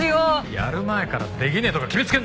やる前からできねえとか決めつけんな！